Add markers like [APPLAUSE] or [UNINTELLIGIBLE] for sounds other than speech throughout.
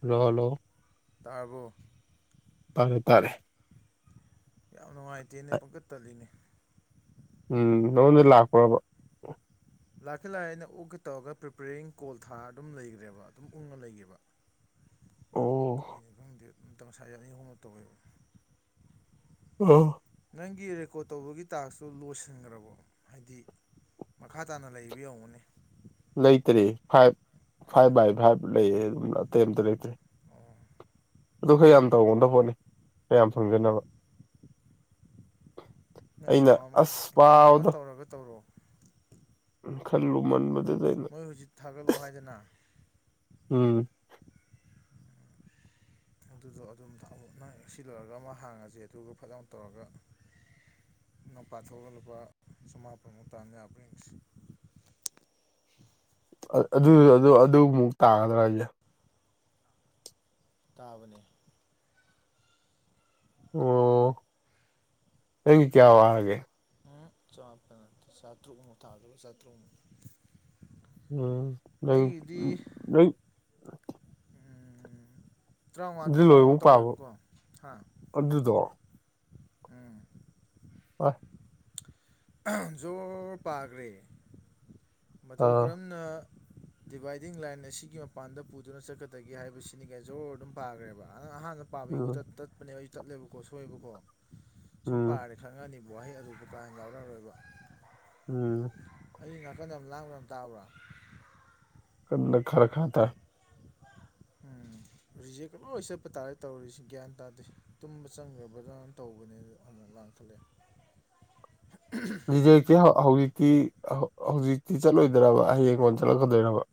Hello hello ꯇꯥꯔꯕꯣ ꯇꯥꯔꯦ ꯇꯥꯔꯦ ꯌꯥꯝ ꯅꯨꯡꯉꯥꯢꯇꯦꯅꯦ ꯄꯪꯇꯠ ꯇꯠꯂꯤꯅꯦ ꯎꯝ ꯅꯉꯣꯟꯗ ꯂꯥꯛꯄ꯭ꯔꯕ ꯂꯥꯛꯇꯤ ꯂꯥꯛꯑꯦ ꯑꯩꯅ ꯎꯛꯒꯦ ꯇꯧꯔꯒ ꯄ꯭ꯔꯤꯄꯦꯔꯤꯡ ꯀꯣꯜ ꯊꯥꯔ ꯑꯗꯨꯝ ꯂꯩꯈ꯭ꯔꯦꯕ ꯑꯗꯨꯝ ꯎꯪꯉ ꯂꯩꯒꯤꯕ ꯑꯣ ꯀꯔꯤꯅꯣ ꯈꯪꯗꯦ ꯑꯝꯇ ꯉꯁꯥꯢ ꯑꯅꯤ ꯑꯍꯨꯝꯔꯛ ꯇꯧꯋꯦ ꯑ ꯅꯪꯒꯤ ꯔꯦꯀꯣꯔꯠ ꯇꯧꯕꯒꯤ ꯇꯥꯛꯁꯇꯨ ꯂꯣꯏꯁꯤꯟꯈ꯭ꯔꯕꯣ ꯍꯥꯢꯗꯤ ꯃꯈꯥ ꯇꯥꯅ ꯂꯩꯔꯤꯕ ꯌꯦꯡꯉꯣꯅꯦ ꯂꯩꯇꯔꯦ ꯐꯥꯏꯚ ꯐꯥꯏꯚ ꯕꯥꯏ ꯐꯥꯏꯚ ꯂꯩꯌꯦ ꯑꯝ ꯑꯇꯩ ꯑꯝꯇ ꯂꯩꯇꯔꯦ ꯑꯣ ꯑꯗꯨ ꯈꯔ ꯌꯥꯝ ꯇꯧꯒꯗ ꯄꯣꯠꯅꯤ ꯈꯔ ꯌꯥꯝ ꯐꯪꯖꯅꯕ ꯅꯪ ꯑꯩꯅ ꯑꯦꯀꯥꯎꯟ ꯑꯁ ꯑꯦꯀꯥꯎꯟ ꯑꯃ ꯄꯥꯎꯗꯣ ꯇꯧꯔꯒ ꯇꯧꯔꯣ ꯈꯜ ꯂꯨꯃꯟꯕꯗꯨ ꯃꯣꯢ ꯍꯧꯖꯤꯛ ꯊꯥꯒꯠꯂꯛꯑꯣ ꯍꯥꯢꯗꯅ ꯎꯝ ꯑꯗꯨꯗꯣ ꯑꯗꯨꯝ ꯊꯥꯒꯠ ꯅꯪ ꯁꯤ ꯂꯣꯏꯔꯒ ꯑꯃ ꯍꯥꯡꯉꯖꯦ ꯑꯗꯨꯒ ꯐꯠꯂꯥꯎ ꯇꯧꯔꯒ ꯅꯄꯥ ꯊꯣꯛꯑꯒ ꯂꯨꯄꯥ ꯆꯃꯥꯄꯟ ꯃꯨꯛ ꯇꯥꯟ ꯌꯥꯕ꯭ꯔ ꯌꯦꯡꯁꯤ ꯑꯗꯨ ꯑꯗꯨ ꯑꯗꯨꯃꯨꯛ ꯇꯥꯒꯗ꯭ꯔꯥ ꯍꯥꯢꯖꯦ ꯇꯥꯕꯅꯦ ꯑꯣ ꯅꯪꯒꯤ ꯀꯌꯥꯕꯨ ꯍꯥꯢꯔꯒꯦ ꯎꯝ ꯆꯃꯥꯄꯜ ꯅꯠꯇꯦ ꯆꯥꯇ꯭ꯔꯨꯛꯃꯨꯛ ꯊꯥꯗꯣꯕ ꯆꯥꯇ꯭ꯔꯨꯛꯃꯨꯛ ꯎꯝ ꯅꯪ ꯑꯩꯒꯤꯗꯤ ꯅꯪ ꯇ꯭ꯔꯥꯎꯉꯥ ꯑꯗꯨ ꯇ꯭ꯔꯥꯎꯉꯥ ꯂꯣꯏꯕꯨꯛ ꯄꯥꯕ ꯇꯧꯔꯦꯕꯀꯣ ꯍꯥ ꯑꯗꯨꯗꯣ ꯎꯝ ꯑ ꯖꯣꯔ ꯄꯥꯒ꯭ꯔꯦ ꯃꯇꯧ ꯑꯥ ꯀꯔꯝꯅ [INAUDIBLE] ꯗꯤꯚꯥꯢꯗꯤꯡ ꯂꯥꯢꯟ ꯑꯁꯤꯒꯤ ꯃꯄꯥꯟꯗ ꯄꯨꯗꯨꯅ ꯆꯠꯀꯗꯒꯦ ꯍꯥꯢꯕꯁꯤꯅꯤ ꯀ ꯖꯣꯔ ꯑꯗꯨꯝ ꯄꯥꯒ꯭ꯔꯦꯕ ꯑꯅ ꯑꯍꯥꯟꯕ ꯄꯥꯕꯩꯒ ꯎꯝ ꯇꯠ ꯇꯠꯄꯅꯦꯕ ꯑꯩꯁꯨ ꯇꯠꯂꯦꯕꯀꯣ ꯁꯣꯢꯕꯀꯣ ꯁꯨꯝ ꯎꯝ ꯄꯥꯔꯦ ꯈꯪꯉꯅꯤ ꯋꯥꯍꯩ ꯑꯔꯨꯕ ꯀꯥ ꯍꯦꯟꯅ ꯌꯥꯎꯔꯛꯑꯔꯣꯏꯕ ꯎꯝ ꯑꯩ ꯅꯥꯀꯟꯗ ꯑꯃ ꯂꯥꯡꯕ ꯌꯥꯝ ꯇꯥꯕ꯭ꯔꯥ ꯀꯟꯗ ꯈꯥꯔ ꯈꯔꯥ ꯇꯥꯏ ꯎꯝ ꯔꯤꯖꯦꯛꯀ ꯂꯣꯏ ꯆꯠꯄ ꯇꯥꯔꯦ ꯇꯧꯔꯤꯁꯤ ꯒ꯭ꯌꯥꯟ ꯇꯥꯗꯦ ꯇꯨꯝꯕ ꯆꯪꯈ꯭ꯔꯕꯅ ꯇꯧꯕꯅꯦꯗ [UNINTELLIGIBLE] ꯂꯥꯡ ꯈꯠꯂꯛꯑꯦ ꯔꯤꯖꯦꯛꯇꯤ ꯍꯧꯖꯤꯛꯇꯤ ꯍꯧꯖꯤꯛꯇꯤ ꯆꯠꯂꯣꯏꯗ꯭ꯔꯕ ꯍꯌꯦꯡ ꯀꯣꯟꯅ ꯆꯠꯂꯛꯀꯗꯣꯏꯔꯕ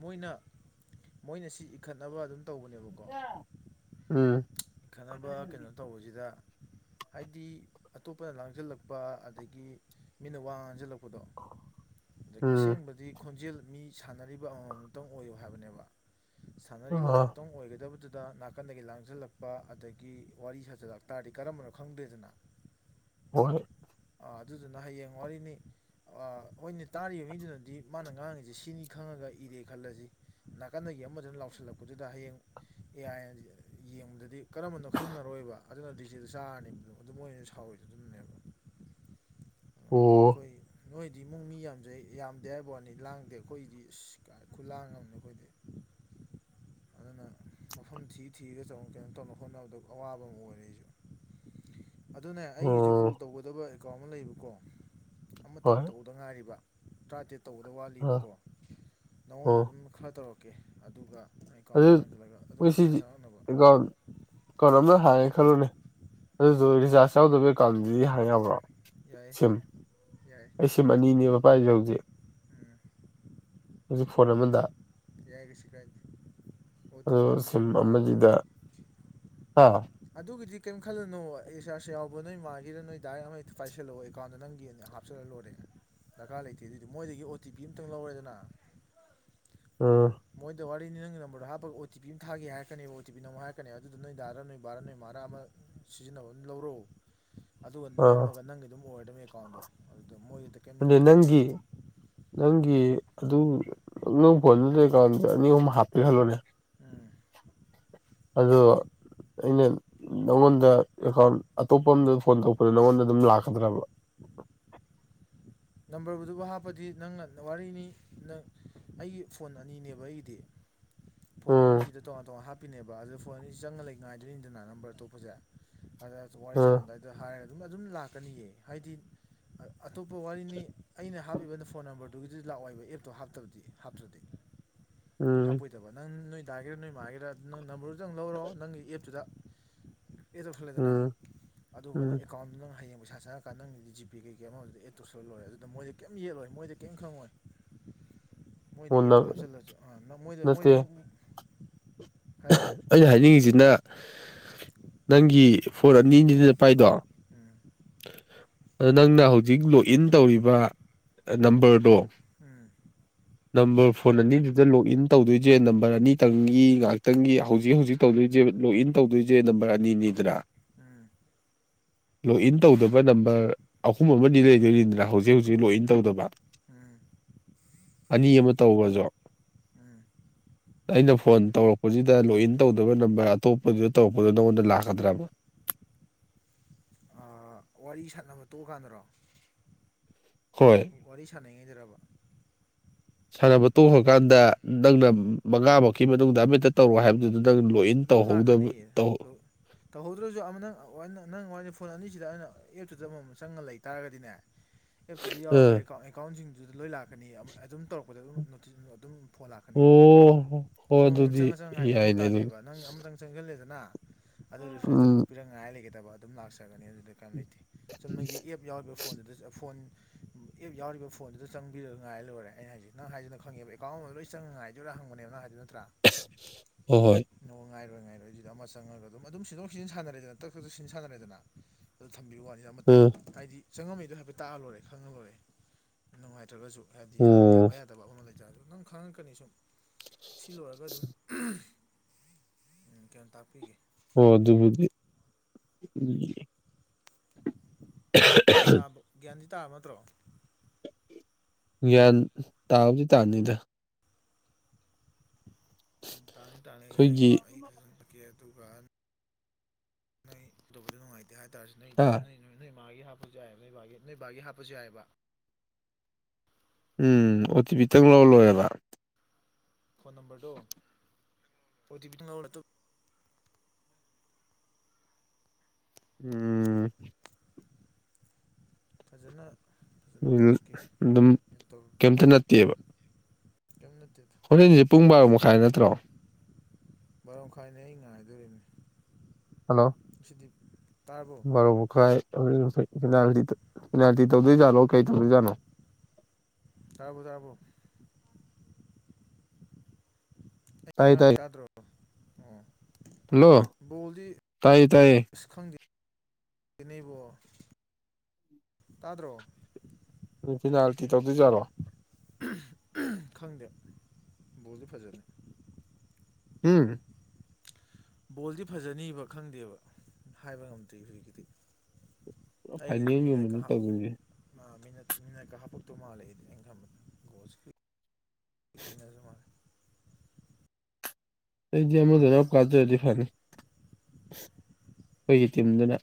ꯃꯣꯏꯅ ꯃꯣꯏꯅ ꯁꯤ ꯏꯈꯠꯅꯕ ꯑꯗꯨꯝ ꯇꯧꯕꯅꯦꯕꯀꯣ ꯎꯝ ꯈꯠꯅꯕ ꯀꯩꯅꯣ ꯇꯧꯕꯁꯤꯗ ꯍꯥꯢꯗꯤ ꯑꯇꯣꯞꯄꯅ ꯂꯥꯡꯖꯤꯜꯂꯛꯄ ꯑꯗꯒꯤ ꯃꯤꯅ ꯋꯥ ꯉꯥꯡꯁꯤꯜꯂꯛꯄꯗꯣ ꯑꯩ ꯎꯝ ꯑꯁꯦꯡꯕꯗꯤ ꯈꯣꯟꯖꯦꯜ ꯃꯤ ꯁꯥꯟꯅꯔꯤꯕ ꯑꯃꯃꯝꯇꯪ ꯑꯣꯏꯌꯨ ꯍꯥꯏꯕꯅꯦꯕ ꯁꯥꯟꯅꯔꯤꯕ ꯑꯥ ꯑꯃꯨꯛꯇꯪ ꯑꯣꯏꯒꯗꯕꯗꯨꯗ ꯅꯥꯀꯟꯗꯒꯤ ꯂꯥꯡꯁꯤꯜꯂꯛꯄ ꯑꯗꯒꯤ ꯋꯥꯔꯤ ꯁꯥꯖꯜꯂꯛ ꯇꯥꯔꯗꯤ ꯀꯔꯝꯕꯅꯣ ꯈꯪꯗꯦꯗꯅ [UNINTELLIGIBLE] ꯑꯥ ꯑꯗꯨꯗꯨꯅ ꯍꯌꯦꯡ ꯋꯥꯔꯤꯅꯤ ꯍꯣꯏꯅꯦ ꯇꯥꯔꯤꯕ ꯃꯤꯗꯨꯅꯗꯤ ꯃꯥꯅ ꯉꯥꯡꯉꯤꯁꯦ ꯁꯤꯅꯤ ꯈꯪꯉꯒ ꯏꯔꯦ ꯈꯜꯂꯁꯤ ꯅꯥꯀꯟꯗꯒꯤ ꯑꯃꯗꯨꯅ ꯂꯥꯎꯁꯤꯜꯂꯛꯄꯗꯨꯗ ꯍꯌꯦꯡ ꯑꯦ ꯑꯥꯏ ꯌꯦꯡꯕꯗ ꯑꯗꯨ ꯀꯔꯝꯕꯅꯣ ꯈꯪꯉꯔꯣꯏꯕ ꯑꯗꯨꯅ ꯗꯤꯖꯦꯗ ꯆꯥꯔꯅꯤꯕꯗꯣ ꯑꯗꯨ ꯃꯣꯏ ꯁꯥꯎꯔꯤꯗꯣ ꯑꯗꯨꯅꯅꯦꯕ ꯑꯣ ꯑꯩꯈꯣꯏ ꯅꯣꯏꯗꯤ ꯏꯃꯨꯡ ꯃꯤ ꯌꯥꯝꯖꯩ ꯌꯥꯝꯗꯦ ꯍꯥꯏꯕ ꯋꯥꯅꯤ ꯂꯥꯡꯗꯦ ꯑꯩꯈꯣꯏꯒꯤꯗꯤ ꯑ ꯈꯨꯂꯥꯡ ꯑꯃꯅꯤ ꯑꯩꯈꯣꯏꯗꯤ [INAUDIBLE] ꯑꯗꯨꯅ ꯃꯐꯝ ꯊꯤ ꯊꯤꯔꯒ [UNINTELLIGIBLE] ꯀꯩꯅꯣ ꯇꯧꯅ ꯍꯣꯠꯅꯕꯗ ꯑꯋꯥꯕ ꯑꯃ ꯑꯣꯏꯔꯦ ꯑꯩꯁꯨ ꯑꯗꯨꯅ ꯑꯩꯒꯤꯁꯨ ꯑꯣ ꯀꯣꯜ ꯇꯧꯒꯗꯕ ꯑꯦꯀꯥꯎꯟ ꯑꯃ ꯂꯩꯌꯦꯕꯀꯣ ꯑꯃꯇꯪ ꯍꯣꯏ ꯇꯧꯗ ꯉꯥꯏꯔꯤꯕ ꯇꯔꯥꯇꯔꯦꯠ ꯇꯧꯕꯗ ꯑꯥ ꯋꯥꯠꯂꯤꯕꯀꯣ ꯅꯉꯣꯟꯗ ꯑꯣ ꯑꯗꯨꯝ ꯈꯔ ꯇꯧꯔꯛꯀꯦ ꯑꯗꯨꯒ ꯑꯦꯀꯥꯎꯟ ꯑꯃ ꯑꯗꯨ ꯍꯥꯡꯖꯤꯜꯂꯒ ꯑꯗꯨꯝ ꯃꯣꯏ ꯄꯩꯁꯥ ꯁꯤꯁꯤ ꯆꯪꯉꯛꯅꯕ ꯑꯦꯀꯥꯎꯟ ꯑꯦꯀꯥꯎꯟ ꯑꯃ ꯍꯥꯡꯉꯦ ꯈꯜꯂꯨꯅꯦ ꯑꯗꯨꯁꯨ ꯔꯤꯆꯥꯔꯖ ꯌꯥꯎꯗꯕꯒꯤ ꯑꯦꯀꯥꯎꯟꯗꯨꯗꯤ ꯍꯥꯡ ꯌꯥꯕ꯭ꯔꯣ ꯌꯥꯏꯌꯦ ꯁꯤꯝ ꯌꯥꯏꯌꯦ ꯑꯩ ꯁꯤꯝ ꯑꯅꯤꯅꯦꯕ ꯄꯥꯏꯁꯦ ꯍꯧꯖꯤꯛ ꯍꯧꯖꯤꯛ ꯐꯣꯟ ꯑꯃꯗ ꯌꯥꯏ ꯀꯩꯁꯨ ꯀꯥꯏꯗꯦ ꯑꯣ ꯇꯤ ꯑꯗꯣ ꯁꯤꯝ ꯄꯤꯗꯨꯇꯪ ꯂꯥꯛꯑ ꯂꯣꯏꯔꯦ ꯑꯃꯁꯤꯗ ꯍꯥ ꯑꯗꯨꯒꯤꯗꯤ ꯀꯌꯤꯝ ꯈꯜꯂꯅꯨꯣ ꯑꯦ ꯔꯤꯆꯥꯔꯁ ꯌꯥꯎꯕ ꯅꯣꯏ ꯃꯥꯒꯤꯔ ꯅꯣꯏ ꯗꯥ ꯒꯤꯔꯥ ꯑꯃ ꯍꯦꯛꯇ ꯄꯥꯏꯁꯤꯜꯂꯣꯑꯦꯀꯥꯎꯟ ꯅꯪꯒꯤꯅ ꯍꯥꯏ ꯍꯥꯞꯆꯤꯜꯂ ꯂꯣꯏꯔꯦ ꯗꯔꯀꯥꯔ ꯂꯩꯇꯦ ꯑꯗꯨꯑꯣꯏꯗꯤ ꯃꯣꯏꯗꯒꯤ ꯑꯣ ꯇꯤ ꯄꯤ ꯑꯃꯝꯇꯪ ꯂꯧꯔꯦꯗꯅ ꯑꯥ ꯃꯣꯏꯗ ꯋꯥꯔꯤꯅꯤ ꯅꯪ ꯅꯝꯕꯔꯗꯣ ꯍꯥꯞꯄꯒ ꯑꯣ ꯇꯤ ꯄꯤ ꯑꯃ ꯊꯥꯒꯤ ꯍꯥꯏꯔꯛꯀꯅꯦꯕ ꯑꯣ ꯇꯤ ꯄꯤ ꯅꯝꯃꯣ ꯍꯥꯏꯔꯛꯀꯅꯤꯕ ꯑꯗꯨꯗꯣ ꯅꯣꯏ ꯗꯥꯔ ꯅꯣꯏ ꯕꯥꯔꯥ ꯅꯣꯏ ꯃꯔꯥ ꯑꯃ ꯁꯤꯖꯤꯟꯅꯕ ꯑꯃ ꯂꯧꯔꯣ ꯑꯗꯨꯒ ꯑꯗꯨꯝ ꯑꯥ ꯅꯝꯃꯒ ꯅꯪꯒꯤ ꯑꯗꯨꯝ ꯑꯣꯏꯔꯗꯅꯤ ꯑꯦꯀꯥꯎꯟꯗꯣ ꯑꯗꯨ ꯃꯣꯏ ꯑꯗꯤ ꯅꯪꯒꯤ ꯅꯪꯒꯤ ꯑꯗꯨ ꯅꯪ ꯐꯣꯟꯗꯨꯗ ꯑꯦꯀꯥꯎꯟꯗ ꯑꯅꯤ ꯑꯍꯨꯝ ꯍꯥꯞꯄꯦ ꯈꯜꯂꯣꯅꯦ ꯎꯝ ꯑꯗꯨ ꯑꯩꯅ ꯅꯉꯣꯟꯗ ꯑꯦꯀꯥꯎꯟ ꯑꯇꯣꯞꯄ ꯑꯃꯗ ꯐꯣꯟ ꯇꯧꯔꯛꯄꯗ ꯅꯪꯉꯣꯟꯗ ꯑꯗꯨꯝ ꯂꯥꯛꯀꯗ꯭ꯔꯕ ꯅꯝꯕꯔꯕꯨꯗꯨꯕꯨ ꯍꯥꯞꯄꯗꯤ ꯅꯪꯅ ꯋꯥꯔꯤꯅꯤ ꯅꯪ ꯑꯩꯒꯤ ꯐꯣꯟ ꯑꯅꯤꯅꯦꯕ ꯑꯩꯒꯤꯗꯤ ꯐꯣꯟ ꯎꯝ ꯑꯅꯤꯁꯤꯗ ꯇꯣꯉꯥꯟ ꯇꯣꯉꯥꯟ ꯍꯥꯞꯄꯤ ꯄꯤꯅꯦꯕ ꯑꯗꯣ ꯐꯣꯟ ꯑꯅꯤ ꯆꯪꯉꯒ ꯂꯩ ꯉꯥꯏꯗꯣꯏꯅꯤꯗꯅ ꯅꯝꯕꯔ ꯑꯇꯣꯞꯄꯁꯦ ꯑꯗ ꯋꯥꯔꯤ ꯎꯝ ꯁꯥꯟꯅꯝꯗꯥꯏꯗ ꯑꯗ ꯍꯥꯏꯔꯒ ꯑꯗꯨꯝ ꯑꯗꯨꯝ ꯂꯥꯛꯀꯅꯤꯌꯦ ꯍꯥꯏꯗꯤ ꯑꯇꯣꯞꯄ ꯋꯥꯔꯤꯅꯤ ꯑꯩꯅ ꯍꯥꯞꯄꯤꯕ ꯐꯣꯟ ꯅꯝꯕꯔꯗꯨꯒꯤꯗꯤ ꯂꯥꯛꯑꯣꯏꯕ ꯑꯦꯞꯇꯣ ꯍꯞꯇꯕꯗꯤ ꯍꯥꯞꯇ꯭ꯔꯗꯤ ꯎꯝ ꯍꯥꯄꯣꯏ ꯗꯕ ꯅꯪ ꯅꯣꯏ ꯗꯥꯒꯤꯔ ꯅꯣꯏ ꯃꯥꯒꯤꯔ ꯅꯪ ꯅꯝꯕꯔꯗꯨꯗꯪ ꯂꯧꯔꯣ ꯅꯪꯒꯤ ꯑꯦꯞꯇꯨꯗ ꯑꯦꯠ ꯇꯧꯁꯜꯂꯦꯗꯅ ꯎꯝ ꯑꯗꯨꯒ ꯎꯝ ꯅꯪ ꯑꯦꯀꯥꯎꯟꯗꯨ ꯅꯪ ꯍꯌꯦꯡ ꯄꯩꯁꯥ ꯆꯪꯉꯛ ꯀꯥꯟ ꯅꯪꯒꯤ ꯖꯤ ꯄꯦ ꯀꯩ-ꯀꯩ ꯑꯃꯥ ꯑꯣꯏꯖꯨ ꯑꯦꯠ ꯇꯧꯁꯜꯂ ꯂꯣꯏꯔꯦ ꯑꯗꯨ ꯗ ꯃꯣꯏ ꯀꯩꯝ ꯌꯦꯠꯂꯣꯏ ꯃꯣꯏꯗꯤ ꯀꯩꯝ ꯈꯪꯉꯣꯏ ꯃꯣꯏꯗꯤ ꯑꯣ ꯑꯦꯞꯇꯣ ꯅꯪ ꯍꯥꯞꯆꯜꯂꯖꯨ ꯑ ꯅ ꯃꯣꯏꯗ ꯃꯣꯏꯗ ꯅꯠꯇꯦ ꯃꯣ ꯍꯥꯏꯔꯣꯅꯦ ꯑꯩꯅ ꯍꯥꯏꯅꯤꯡꯉꯤꯖꯤꯅ ꯅꯪꯒꯤ ꯐꯣꯔ ꯑꯅꯤ ꯅꯤꯗꯅ ꯄꯥꯏꯗꯣ ꯎꯝ ꯑꯗꯣ ꯅꯪꯅ ꯍꯧꯖꯤꯛ ꯂꯣꯛꯏꯟ ꯇꯧꯔꯤꯕ ꯑ ꯅꯝꯕꯔꯗꯣ ꯎꯝ ꯅꯝꯕꯔ ꯐꯣꯟ ꯑꯅꯤꯗꯨꯗ ꯂꯣꯛꯏꯟ ꯇꯧꯗꯣꯏꯖꯦ ꯅꯝꯕꯔ ꯑꯅꯤꯇꯪꯒꯤ ꯉꯥꯛ ꯇꯪꯒꯤ ꯍꯧꯖꯤꯛ ꯍꯧꯖꯤꯛ ꯇꯧꯗꯣꯏꯖꯦ ꯂꯣꯛꯏꯟ ꯇꯧꯗꯣꯏꯖꯦ ꯅꯝꯕꯔ ꯑꯅꯤꯅꯤꯗꯅ ꯎꯝ ꯂꯣꯛꯏꯟ ꯇꯧꯗꯕ ꯅꯝꯕꯔ ꯑꯍꯨꯝ ꯑꯃꯥꯗꯤ ꯂꯩꯗꯣꯏꯅꯤꯗꯅ ꯍꯧꯖꯤꯛ ꯍꯧꯖꯤꯛ ꯂꯣꯛꯏꯟ ꯇꯧꯗꯕ ꯎꯝ ꯑꯅꯤ ꯑꯃꯥ ꯇꯧꯒ꯭ꯔꯖꯣ ꯎꯝ ꯑꯩꯅ ꯐꯣꯟ ꯇꯧꯔꯛ ꯍꯧꯖꯤꯗ ꯂꯣꯛꯏꯟ ꯇꯧꯗꯕ ꯅꯝꯕꯔ ꯑꯇꯣꯞꯄꯗꯨꯗ ꯇꯧꯔꯛꯄꯗ ꯅꯪꯉꯣꯟꯗ ꯂꯥꯛꯀꯗ꯭ꯔꯕ ꯑꯥ ꯋꯥꯔꯤ ꯁꯥꯟꯅꯕ ꯇꯣꯛꯑꯀꯥꯟꯗꯔꯣ ꯍꯣꯏ ꯋꯥꯔꯤ ꯁꯟꯅꯩꯉꯩꯗꯔꯕ ꯁꯥꯟꯅꯕ ꯇꯣꯛꯈꯀꯥꯟꯗ ꯅꯪꯅ ꯃꯉꯥꯃꯛꯀꯤ ꯃꯅꯨꯡꯗ ꯑꯃꯥ ꯍꯦꯛꯇ ꯇꯧꯔꯛꯑꯣ ꯍꯥꯏꯕꯗꯨ ꯅꯪꯅ ꯂꯣꯛꯏꯟ ꯇꯧꯍꯧꯗꯕ ꯇꯧꯍꯧ ꯇꯧꯍꯧꯗ꯭ꯔꯖꯨ ꯑꯃꯥ ꯅꯪ ꯑ ꯋꯅ ꯅꯪ ꯋꯥꯔꯤꯅꯤ ꯐꯣꯟ ꯑꯅꯤꯁꯤꯗ ꯑꯩꯅ ꯑꯦꯞꯇꯨꯗ ꯑꯃꯥꯃꯝ ꯆꯪꯉ ꯂꯩꯇꯥꯥꯔꯒꯗꯤꯅꯦ [INAUDIBLE] ꯑꯦꯞꯇꯨꯗ ꯌꯥꯎꯔꯕ ꯑꯥ ꯑꯦꯀꯥꯎꯟ ꯑꯦꯀꯥꯎꯟꯖꯤꯡꯗꯨꯗ ꯂꯣꯏ ꯂꯥꯛ ꯀꯅꯤꯌꯦ ꯑꯃ ꯑꯗꯨꯝ ꯇꯧꯔꯛꯄꯗ ꯑꯗꯨꯝ ꯅꯣꯇꯤ ꯅꯣ ꯑꯗꯨꯝ ꯐꯣꯟ ꯂꯥꯛꯀꯅꯤꯌꯦ ꯑꯣ ꯍꯣ ꯑꯃꯃꯥꯝ ꯑꯗꯨꯗꯤ ꯆꯪꯉ ꯆꯪꯉ ꯉꯥꯏꯕ ꯊꯧ ꯌꯥꯏꯅꯦ ꯇꯥ ꯑꯗꯨꯗꯤ ꯅꯪ ꯑꯃꯇꯪ ꯆꯪꯖꯜꯂꯦꯗꯅ ꯑꯗꯨ ꯔꯤꯐ꯭ꯔꯦꯁ ꯎꯝ ꯇꯧꯈꯣꯛꯄꯤꯔ ꯉꯥꯏ ꯂꯩꯒꯦꯗꯕ ꯑꯗꯨꯝ ꯂꯥꯛꯆꯒꯅꯤ ꯑꯗꯨꯗ ꯀꯩꯝ ꯂꯩꯇꯦ ꯆꯨꯨꯝꯅꯒꯤ ꯑꯦꯞ ꯌꯥꯎꯔꯤꯕ ꯐꯣꯟꯗꯨꯗꯖꯨ ꯑ ꯐꯣꯟ ꯑꯦꯞ ꯌꯥꯎꯔꯤꯕ ꯐꯣꯟꯗꯨꯗ ꯆꯪꯕꯤꯔ ꯉꯥꯏꯔ ꯂꯣꯏꯔꯦ ꯑꯩꯅ ꯍꯥꯢꯖꯦ ꯅꯪ ꯍꯥꯏꯖꯤꯅ ꯈꯪꯉꯦꯕ ꯑꯦꯀꯥꯎꯟ ꯑꯃꯃꯝ ꯂꯣꯏ ꯆꯪꯉ ꯉꯥꯏ ꯌꯨꯔ ꯍꯪꯕꯅꯦꯕ ꯅꯪ ꯍꯥꯏꯗꯨ ꯅꯠꯇ꯭ꯔꯥ ꯍꯣ-ꯍꯣꯏ ꯅꯣ ꯉꯥꯏꯔꯣꯏ ꯉꯥꯏꯔꯣꯏ ꯑꯖꯤꯗ ꯑꯃꯥ ꯆꯪꯉꯒ ꯑꯗꯨꯝ ꯑꯗꯨꯝ ꯁꯤꯟꯗꯣꯛ ꯁꯤꯟꯖꯤꯟ ꯁꯥꯟꯅꯔꯦꯗꯅ ꯇꯛ ꯇꯛ ꯁꯤꯟ ꯁꯥꯟꯅꯔꯦꯗꯅ ꯑꯗꯨ ꯊꯝꯕꯤ ꯋꯥꯅꯤ ꯗ ꯑꯃꯇꯪ ꯑꯥ ꯍꯥꯏꯗꯤ ꯆꯪꯉꯝꯃꯤꯗꯣ ꯍꯥꯏꯐꯦꯠ ꯇꯥꯛꯑ ꯂꯣꯏꯔꯦ ꯈꯪꯉ ꯂꯣꯏꯔꯦ ꯅꯨꯡꯉꯥꯏꯇ꯭ꯔꯒꯖꯨ ꯍꯥꯏꯗꯤ ꯌꯥ ꯑꯣ ꯌꯥꯕ ꯌꯥꯗꯕ ꯑꯃꯥ ꯃꯥ ꯂꯩꯇ꯭ꯔꯦ ꯍꯥꯏꯔꯖꯨ ꯅꯪ ꯈꯪꯉꯛꯀꯅꯤ ꯁꯨꯝ ꯁꯤ ꯂꯣꯏꯔꯒ ꯑꯗꯨꯝ ꯎꯝ ꯀꯩꯅꯣ ꯇꯥꯛꯄꯤꯒꯦ ꯍꯣ ꯑꯗꯨꯕꯨꯗꯤ ꯒ꯭ꯌꯥꯟ ꯇꯥꯕ ꯒ꯭ꯌꯥꯟꯗꯤ ꯇꯥꯔꯕ ꯅꯠꯇ꯭ꯔꯣ ꯒ꯭ꯌꯥꯟ ꯇꯥꯕꯨꯗꯤ ꯇꯥꯅꯤꯗ ꯎꯝ ꯇꯥꯅꯤ ꯇꯥꯅꯤ ꯑꯩ ꯍꯥꯏꯒꯦ ꯑꯩꯈꯣꯏꯒꯤ ꯑꯩ ꯍꯥꯏꯔꯝꯃꯀꯦ ꯑꯗꯨꯒ ꯅꯣꯏ ꯇꯧꯕꯗ ꯅꯨꯡꯉꯥꯏꯇꯦ ꯍꯥꯏꯇ꯭ꯔꯖꯨ ꯅꯣꯏꯗꯥ ꯍꯥ ꯅꯣꯏ ꯅꯣꯏ ꯃꯥꯒꯤ ꯍꯥꯞꯄꯖꯨ ꯌꯥꯏꯕ ꯅꯣꯏ ꯕꯥꯒꯤ ꯅꯣꯏ ꯕꯥꯒꯤ ꯍꯥꯞꯄꯖꯨ ꯌꯥꯏꯕ ꯎꯝ ꯑꯣ ꯇꯤ ꯄꯤ ꯇꯪ ꯂꯧꯔ ꯂꯣꯏꯑꯦꯕ ꯐꯣꯟ ꯅꯝꯕꯔꯗꯣ ꯑꯣ ꯇꯤ ꯄꯤ ꯇꯪ ꯂꯧꯔ ꯑꯇꯣꯞ ꯎꯝ ꯐꯖꯅ ꯐꯖꯅ ꯇꯥꯛꯀꯦ [INAUDIBLE] ꯑꯗꯨꯝ ꯀꯩꯝꯇ ꯅꯠꯇꯦꯕ꯫ ꯀꯩꯝ ꯅꯠꯇꯦꯗ꯫ ꯍꯣꯔꯦꯟꯁꯦ ꯄꯨꯡ ꯕꯥꯔꯣ ꯃꯈꯥꯏ ꯅꯠꯇ꯭ꯔꯣ꯫ ꯕꯥꯔꯣꯃꯈꯥꯏꯅꯤ ꯑꯩ ꯉꯥꯏꯗꯣꯔꯤꯅꯤ꯫ ꯍꯜꯂꯣ꯫ ꯉꯁꯤꯗꯤ꯫ ꯕꯥꯔꯣ ꯃꯈꯥꯏ [UNINTELLIGIBLE] ꯄꯦꯅꯥꯜꯇꯤ ꯇ ꯄꯦꯅꯥꯜꯇꯤ ꯇꯧꯗꯣꯏꯖꯥꯠꯂꯣ ꯀꯩ ꯇꯧꯗꯣꯏꯖꯥꯠꯅꯣ꯫ ꯇꯥꯕ꯭ꯔꯣ ꯇꯥꯕ꯭ꯔꯣ꯫ ꯑꯩ ꯇꯥꯏꯌꯦ ꯉꯥꯡꯉꯤ ꯇꯥꯏꯌꯦ ꯇꯥꯗ꯭ꯔꯣ ꯑꯣ ꯍꯜꯂꯣ ꯕꯣꯜꯗꯤ ꯇꯥꯏꯌꯦ ꯇꯥꯏꯌꯦ ꯈꯪꯗꯦ ꯅꯦ ꯕꯣ꯫ ꯇꯥꯗ꯭ꯔꯣ꯫ ꯄꯦꯅꯥꯜꯇꯤ ꯇꯧꯗꯣꯏꯖꯥꯠꯔꯣ꯫ ꯈꯪꯗꯦ ꯕꯣꯜꯗꯤ ꯐꯖꯅꯤ꯫ ꯎꯝ ꯕꯣꯜꯗꯤ ꯐꯖꯅꯤꯕ ꯈꯪꯗꯦꯕ ꯍꯥꯏꯕ ꯉꯝꯗ꯭ꯔꯤ ꯍꯧꯖꯤꯛꯀꯤꯗꯤ꯫ ꯑꯩꯒꯤꯗꯤ ꯃꯤꯅꯠꯀꯥ ꯐꯥꯏꯅꯦꯜꯒꯨꯝꯕꯅꯤ ꯍꯥꯞ ꯇꯧꯗꯣꯏꯖꯦ ꯃꯥ ꯃꯤꯅꯠ ꯃꯤꯅꯠ ꯀ ꯍꯥꯞꯄꯛꯇꯧ ꯃꯥꯜ ꯑꯩꯗꯤ ꯑꯩꯟ ꯈꯟꯕꯗ ꯒꫭꯜꯁꯤꯀꯤ꯫ [INAUDIBLE] ꯑꯩꯗꯤ ꯑꯃꯗꯨꯅ ꯀꯥꯖꯔꯗꯤ ꯐꯅꯤ ꯈꯣꯏꯒꯤ ꯇꯤꯝꯗꯨꯅ꯫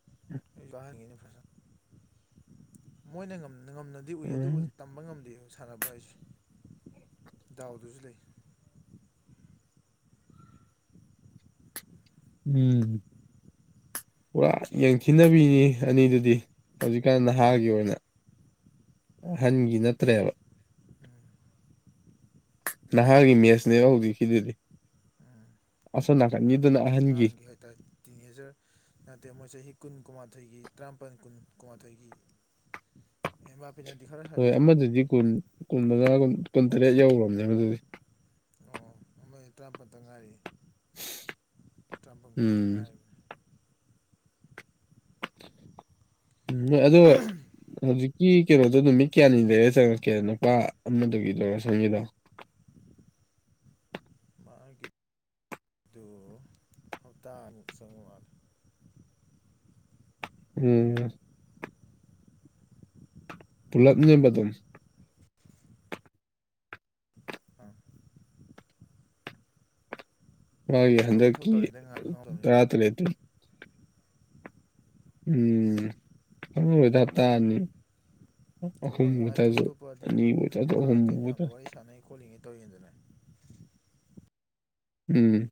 [INAUDIBLE] ꯃꯣꯏꯅ ꯉꯝꯅ ꯉꯝꯅꯗꯤ ꯎꯏ ꯑꯗꯨꯕꯨ ꯎꯝ ꯇꯝꯕ ꯉꯝꯗꯦ꯫ ꯁꯥꯟꯅꯕ ꯍꯥꯏꯁꯦ ꯗꯥꯎꯗꯖꯨ ꯂꯩ꯫ ꯎꯝ ꯄꯨꯔꯥ ꯌꯦꯡꯊꯤꯟꯅꯕꯤꯅꯤ ꯑꯅꯤꯗꯨꯗꯤ꯫ ꯍꯧꯖꯤꯛꯀꯥꯟ ꯎꯝ ꯅꯍꯥꯒꯤ ꯑꯣꯏꯅ ꯃꯥꯅꯤ ꯑꯍꯟꯒꯤ ꯅꯠꯇ꯭ꯔꯦꯕ꯫ ꯎꯝ ꯅꯍꯥꯒꯤ ꯃꯦꯠꯁꯅꯦꯕ ꯍꯧꯖꯤꯛꯀꯤꯗꯨꯗꯤ꯫ ꯑꯁꯣꯝ ꯅꯀꯟ ꯒꯤꯗꯨꯅ [UNINTELLIGIBLE] ꯇ ꯇꯤꯅꯦꯖꯔ ꯅꯠꯇꯦ ꯃꯣꯏ ꯆꯍꯤ ꯀꯨꯟ ꯀꯨꯟꯃꯥꯊꯣꯏꯒꯤ ꯇꯔꯥꯃꯥꯄꯟ ꯀꯨꯟ ꯀꯨꯟꯃꯥꯊꯣꯏꯒꯤ ꯑꯦꯝꯕꯥꯄꯦꯅꯗꯤ ꯈꯔ ꯍꯜꯂꯦ꯫ ꯑꯗꯨꯗꯤ ꯀꯨꯟ꯫ ꯀꯨꯟ ꯃꯉꯥꯒꯨꯝ ꯀꯨꯟꯇꯔꯦꯠ ꯌꯧꯒ꯭ꯔꯕꯅꯦ ꯑꯗꯨꯗꯤ꯫ ꯑꯣ ꯑꯃꯗꯤ ꯇꯔꯥꯄꯟꯗꯪ ꯉꯥꯏꯔꯤ ꯇꯔꯥꯄꯜ ꯀꯨꯟꯇ ꯎꯝ ꯉꯥꯏꯔꯤ꯫ ꯎꯝ ꯑꯗꯣ ꯍꯧꯖꯤꯛꯀꯤ ꯀꯩꯅꯣꯗꯣ ꯅꯨꯃꯤꯠ ꯀꯌꯥꯅꯤ ꯂꯩꯔꯥ ꯆꯪꯉꯛꯀꯦ ꯅꯨꯄꯥ ꯑꯃꯗꯨꯒꯤꯗꯣ ꯑꯁꯣꯝꯒꯤꯗꯣ꯫ ꯃꯥꯒꯤ ꯗꯨ ꯍꯞꯇꯥ ꯑꯃꯨꯛ ꯆꯪꯕ ꯃꯥꯜꯂꯤ꯫ ꯎꯝ꯫ ꯄꯨꯂꯞꯅꯦꯕ ꯑꯗꯨꯝ꯫ ꯑꯥ꯫ ꯃꯥꯒꯤ ꯑꯗꯨꯝ ꯑꯇꯣꯞꯄ ꯊꯕꯛ ꯍꯟꯗꯛꯀꯤ ꯇꯧꯔꯤꯉꯩꯗ ꯉꯥꯏꯕ ꯈꯪꯍꯧꯗꯕꯅꯤꯗ ꯇꯔꯥꯇꯔꯦꯠꯇꯨ ꯎꯝ ꯈꯪꯍꯧꯔꯣꯏꯗ ꯍꯞꯇꯥ ꯑꯅꯤ꯫ ꯑꯍꯨꯝ ꯊꯕꯛ ꯑꯗꯨꯃꯥꯏ ꯊꯕꯛ ꯑꯣꯏꯇꯥꯔꯁꯨ ꯇꯣꯞꯄꯗꯤ ꯑꯅꯤꯕꯨ ꯗꯨꯝ ꯑꯣꯏꯇꯥꯔꯁꯨ ꯃꯥ ꯑꯍꯨꯝꯕꯨ ꯑꯇꯩ ꯃꯌꯥꯝꯗꯣ ꯑꯣꯏꯇꯥꯔꯁꯨ ꯋꯥꯔꯤ ꯁꯥꯟꯅꯩ ꯈꯣꯠꯂꯤꯉꯩ ꯇꯧꯔꯤꯉꯩꯗꯅ꯫ ꯎꯝ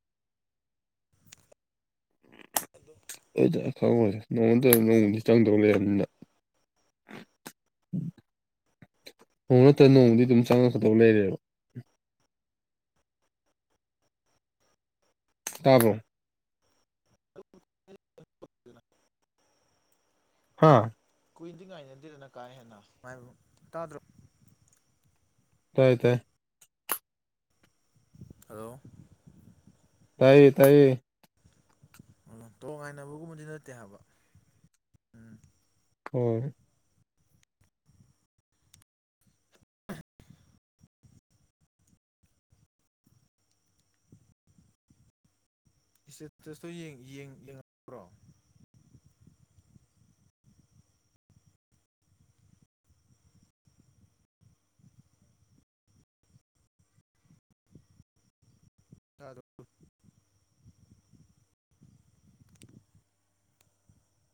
[INAUDIBLE] [INAUDIBLE] ꯅꯣꯡꯃ ꯅꯠꯇ꯭ꯔꯥꯒ ꯅꯣꯡꯃꯗꯤ ꯑꯗꯨꯝ ꯆꯪꯉꯛꯀꯗꯧ ꯂꯩꯔꯦꯕ ꯇꯥꯕ꯭ꯔꯣ [UNINTELLIGIBLE] ꯍꯥ ꯀꯨꯏꯅꯗꯤ [UNINTELLIGIBLE] ꯀꯥ ꯍꯦꯟꯅ ꯉꯥꯏꯕ꯭ꯔꯣ ꯇꯥꯗ꯭ꯔꯣ ꯇꯥꯏ ꯇꯥꯏ ꯍꯜꯂꯣ ꯇꯥꯏꯌꯦ ꯇꯥꯏꯌꯦ ꯑꯣ ꯇꯣꯉꯥꯟꯅꯕꯒꯨꯝꯕꯗꯤ ꯅꯠꯇꯦ ꯍꯥꯏꯕ ꯎꯝ ꯍꯣꯏ ꯏꯁꯇꯦꯇꯁꯇꯣ ꯌꯦꯡ ꯌꯦꯡ ꯌꯦꯡꯉꯛꯄ꯭ꯔꯣ ꯇꯥꯗ꯭ꯔꯣ